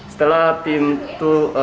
setelah tim itu